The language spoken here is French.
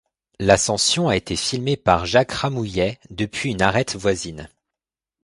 L'ascension a été filmée par Jacques Ramouillet depuis une arête voisine.